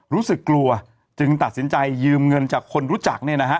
รู้สึกกลัวจึงตัดสินใจยืมเงินจากคนรู้จักเนี่ยนะฮะ